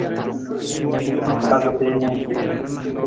Ma-n bagi biinii.